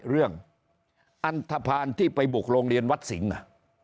เรื่องอันทภาณที่ไปบุกโรงเรียนวัดศิงอ่ะ